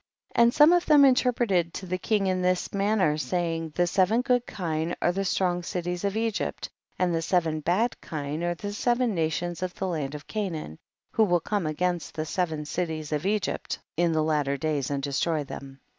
1 8. And some of them interpreted to the king in this manner, saying, the seven good kine are the strong cities of Egypt, and the seven bad kine are the seven nations of the land of Canaan, who will come against the seven cities of Egypt in the lat ter days and destroy them.